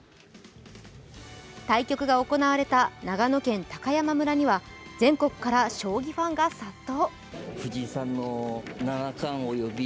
対局が行われた長野県高山村には全国から将棋ファンが殺到。